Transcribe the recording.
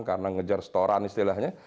karena mengejar setoran istilahnya